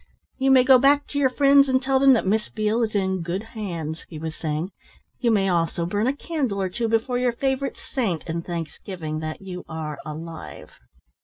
"You may go back to your friends and tell them that Miss Beale is in good hands," he was saying. "You may also burn a candle or two before your favourite saint, in thanksgiving that you are alive."